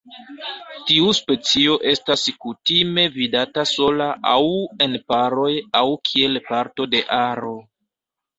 Tiu specio estas kutime vidata sola aŭ en paroj aŭ kiel parto de aro.